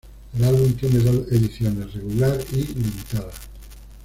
El álbum tiene dos ediciones: Regular y Limitada.